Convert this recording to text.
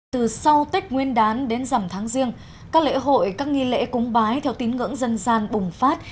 từ sau tết nguyên đán đến dầm tháng riêng các lễ hội các nghi lễ cúng bái theo tín ngưỡng dân gian bùng phát